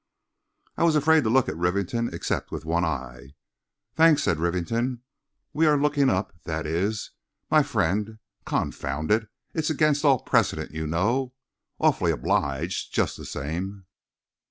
I was afraid to look at Rivington except with one eye. "Thanks," said Rivington. "We were looking up ... that is ... my friend ... confound it; it's against all precedent, you know ... awfully obliged ... just the same."